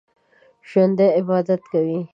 ژوندي عبادت کوي